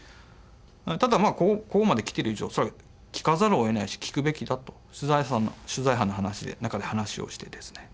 ただこうまできてる以上それは聞かざるをえないし聞くべきだと取材班の中で話をしてですね